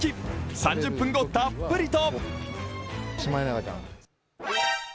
３０分後、たっぷりと。